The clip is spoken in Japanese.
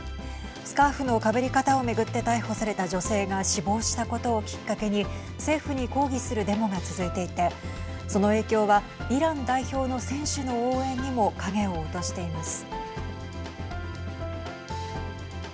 スカーフのかぶり方を巡って逮捕された女性が死亡したことをきっかけに政府に抗議するデモが続いていてその影響はイラン代表の選手の応援にも影を落としています。